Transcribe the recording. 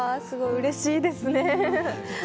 すごくうれしいですね。